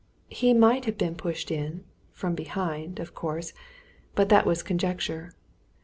He might have been pushed in from behind of course, but that was conjecture.